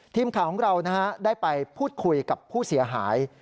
ทีมข่าวของเราได้ไปพูดคุยกับผู้เสียหาย